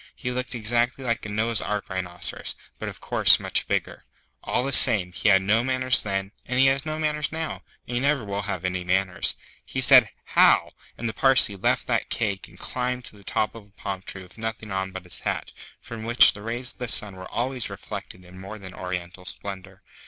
He looked exactly like a Noah's Ark Rhinoceros, but of course much bigger. All the same, he had no manners then, and he has no manners now, and he never will have any manners. He said, 'How!' and the Parsee left that cake and climbed to the top of a palm tree with nothing on but his hat, from which the rays of the sun were always reflected in more than oriental splendour.